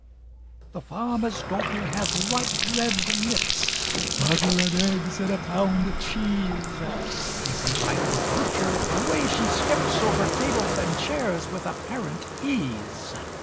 The farmer's daughter hath ripe red lips; (Butter and eggs and a pound of cheese) If you try to approach her, away she skips Over tables and chairs with apparent ease.